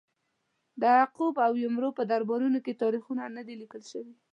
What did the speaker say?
د یعقوب او عمرو په دربارونو کې تاریخونه نه دي لیکل شوي.